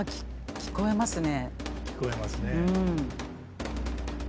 聞こえますね。